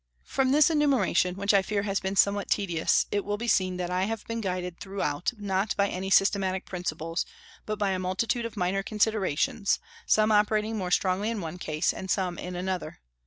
From this enumeration, which I fear has been somewhat tedious, it will be seen that I have been guided throughout not by any systematic principles, but by a multitude of minor considerations, some operating more strongly in one case, and some in another.